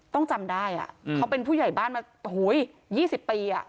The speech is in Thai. ต้องจำได้เขาเป็นผู้ใหญ่บ้านมา๒๐ปี